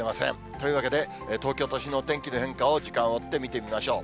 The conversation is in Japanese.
というわけで、東京都心のお天気の変化を時間を追って見てみましょう。